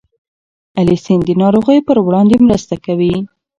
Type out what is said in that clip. الیسین د ناروغیو پر وړاندې مرسته کوي.